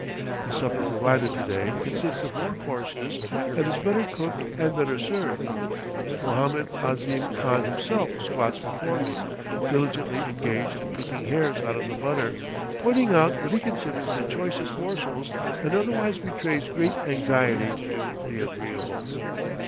The supper provided to day consists of more courses and is better cooked and better served; Mohammed Ahzim Khan himself squats before me, diligently engaged in picking hairs out of the butter, pointing out what he considers the choicest morsels, and otherwise betrays great anxiety to do the agreeable.